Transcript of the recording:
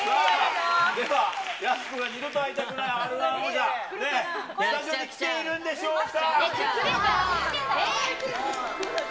では、やす子が二度と会いたくないＲー１王者、スタジオに来ているんでしょうか？